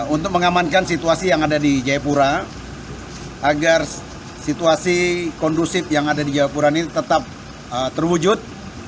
untuk mengamankan situasi yang ada di jayapura agar situasi kondusif yang ada di jayapura ini tetap terwujud